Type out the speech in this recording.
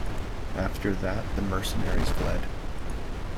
After that the mercenaries fled.